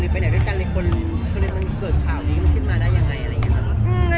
หรือไปไหนด้วยกันคนมันเกิดข่าวนี้ก็มันขึ้นมาได้ยังไง